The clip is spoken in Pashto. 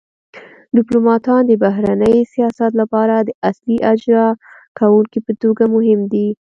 ډیپلوماتان د بهرني سیاست لپاره د اصلي اجرا کونکو په توګه مهم دي